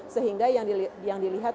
sehingga yang dilihat